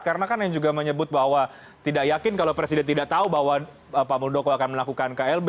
karena kan yang juga menyebut bahwa tidak yakin kalau presiden tidak tahu bahwa pak muldoko akan melakukan klb